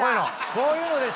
こういうのでしょ？